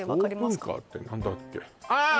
「オープンカー」って何だっけあーあー